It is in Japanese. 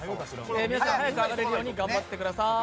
皆さん早くあがれるように頑張ってください。